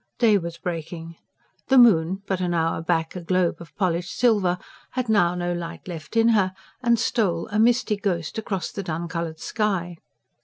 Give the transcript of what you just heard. Day was breaking; the moon, but an hour back a globe of polished silver, had now no light left in her, and stole, a misty ghost, across the dun coloured sky.